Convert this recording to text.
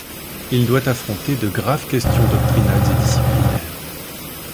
Il doit affronter de graves questions doctrinales et disciplinaires.